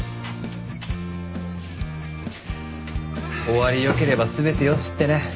終わりよければ全てよしってね。